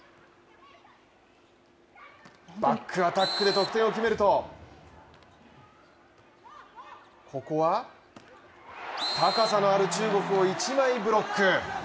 バックアタックで得点を決めるとここは、高さのある中国を一枚ブロック。